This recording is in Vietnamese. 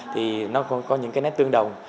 thì nó có những cái nét tương đồng